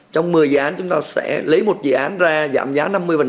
các dự án ra giảm giá năm mươi